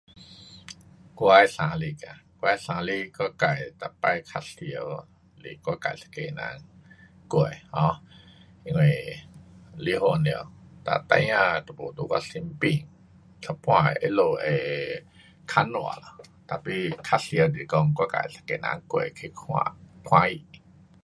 我的生日啊，我的生日我自每次较常是我自一个人过。um 因为离婚了，哒孩儿都没在我身边，一半下他们会问候下，tapi 较常是我自一个人过去看戏。